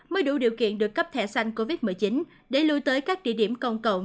mới đủ điều kiện được cấp thẻ xanh covid một mươi chín để lùi tới các địa điểm công cộng